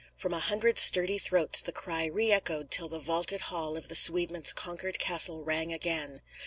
From a hundred sturdy throats the cry re echoed till the vaulted hall of the Swedemen's conquered castle rang again.